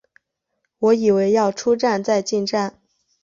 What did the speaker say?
我以为要出站再进站